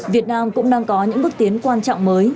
việt nam cũng đang có những bước tiến quan trọng mới